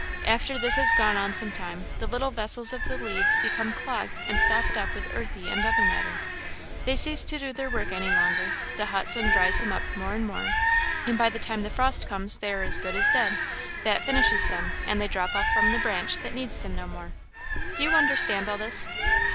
After this has gone on some time, the little vessels of the leaves become clogged and stopped up with earthy and other matter; they cease to do their work any longer; the hot sun dries them up more and more, and by the time the frost comes they are as good as dead. That finishes them, and they drop off from the branch that needs them no more. Do you understand all this?"